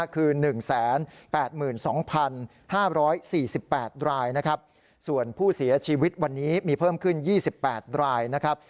คือ๑๘๒๕๔๘รายนะครับส่วนผู้เสียชีวิตวันนี้มีเพิ่มขึ้น๒๘รายนะครับ